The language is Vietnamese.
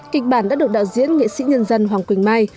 kịch bản đã được đạo diễn nghệ sĩ nhân dân hoàng quỳnh mai